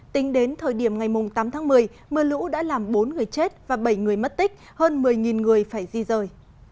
tính đến thời điểm ngày tám tháng một mươi mưa lũ đã làm bốn người chết và bảy người mất tích hơn một mươi người phải di rời